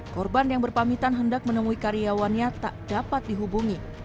korban yang berpamitan hendak menemui karyawannya tak dapat dihubungi